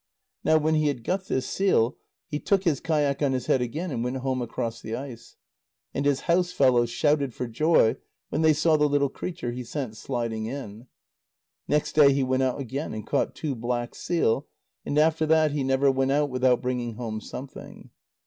Now when he had got this seal, he took his kayak on his head again and went home across the ice. And his house fellows shouted for joy when they saw the little creature he sent sliding in. Next day he went out again, and caught two black seal, and after that, he never went out without bringing home something.